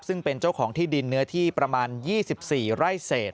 ซึ่งเป็นเจ้าของที่ดินเนื้อที่ประมาณ๒๔ไร่เศษ